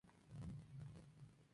Actual entrenador de futbol amateur.